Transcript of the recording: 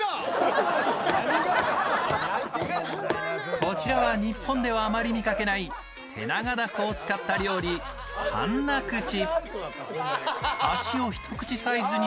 こちらは日本ではあまり見かけない、テナガダコを使った料理サンナクチ。